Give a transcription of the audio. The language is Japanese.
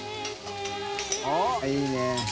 いいね。